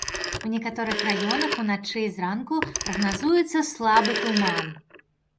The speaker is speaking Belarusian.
У некаторых раёнах уначы і зранку прагназуецца слабы туман.